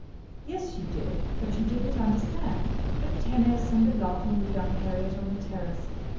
"Yes, you did; but you didn't understand. The tennis, and the laughing with young Heriot on the terrace!